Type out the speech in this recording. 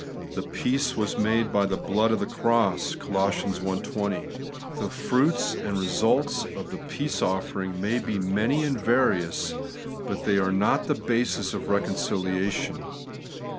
The ' peace was made by the Uood of His cross' (Col. i 20). The fruits and results of the peace offering may be many and various, but they are not the basis of reconciliation.